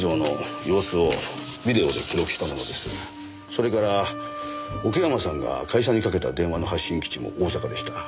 それから奥山さんが会社にかけた電話の発信基地も大阪でした。